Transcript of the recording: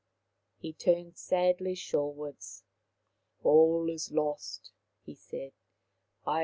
He turned sadly shorewards. " All is lost," he said.